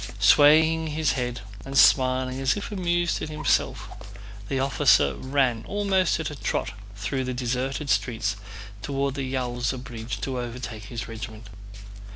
Swaying his head and smiling as if amused at himself, the officer ran almost at a trot through the deserted streets toward the Yaúza bridge to overtake his regiment.